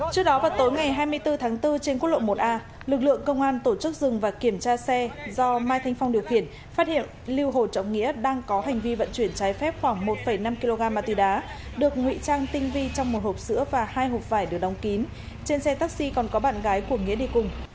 trước đó vào tối ngày hai mươi bốn tháng bốn trên quốc lộ một a lực lượng công an tổ chức dừng và kiểm tra xe do mai thanh phong điều khiển phát hiện lưu hồ trọng nghĩa đang có hành vi vận chuyển trái phép khoảng một năm kg ma túy đá được nguy trang tinh vi trong một hộp sữa và hai hộp vải được đóng kín trên xe taxi còn có bạn gái của nghĩa đi cùng